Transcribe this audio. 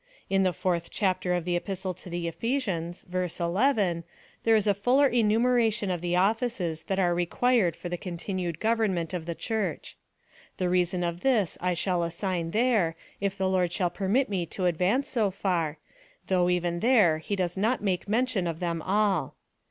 In the fourth Chapter of the Epistle to the Ephesians, (verse 11,) there is a fuller enumeration of the offices, that are required for the continued government of the Church. The reason of this I shall assign there, if the Lord shall permit me to advance so far, though even there he does not make men tion of them all.